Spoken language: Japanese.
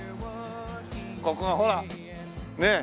ここがほらねっ。